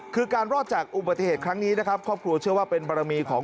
คือการรอดจากอุบัติเหตุครั้งนี้นะครับครอบครัวเชื่อว่าเป็นบารมีของ